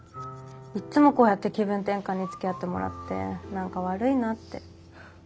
いっつもこうやって気分転換につきあってもらって何か悪いなって。